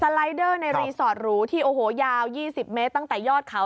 ไลเดอร์ในรีสอร์ตหรูที่โอ้โหยาว๒๐เมตรตั้งแต่ยอดเขา